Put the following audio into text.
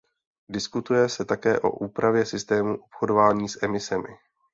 Diskutuje se také o úpravě systému obchodování s emisemi.